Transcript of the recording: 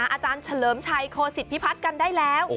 อาจารย์เฉลิมชัยโคศิษฐพิพัฒน์กันได้แล้ว